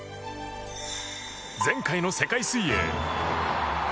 前回の世界水泳。